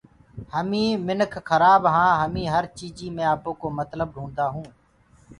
همينٚ منک کرآب هآن همينٚ هر چيجيٚ مي آپوڪو متلب ڍونٚڊدآئونٚ